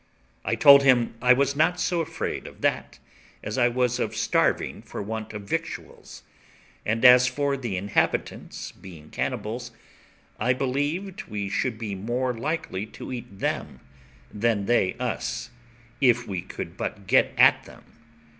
I told him I was not so afraid of that as I was of starving for want of victuals; and as for the inhabitants being cannibals, I believed we should be more likely to eat them than they us, if we could but get at them.